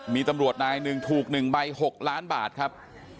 มีตำรวจนายหนึ่งถูก๑ใบ๖ล้านบาทครับ